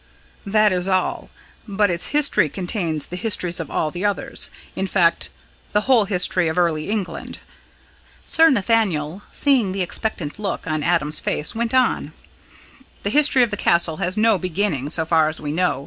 "That is all; but its history contains the histories of all the others in fact, the whole history of early England." Sir Nathaniel, seeing the expectant look on Adam's face, went on: "The history of the Castle has no beginning so far as we know.